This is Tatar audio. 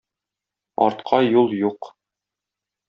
Артка юл юк.